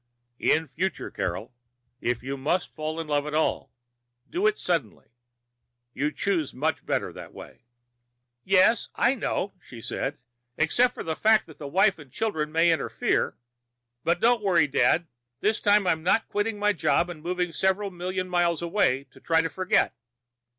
In future, Carol, if you must fall in love at all, do it suddenly. You choose much better that way." "Yes, I know," she said. "Except for the fact that the wife and children may interfere. But don't worry, Dad. This time I'm not quitting my job and moving several million miles away to try to forget."